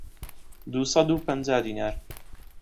دوو سەد و پەنجا دینار